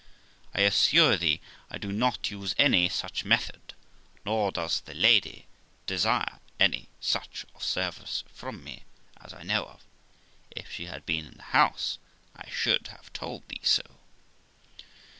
I assure thee I do not use any such method; nor does the Lady desire any such kind of service from me, as I know of. If she had been in the house, I should have told thee so.'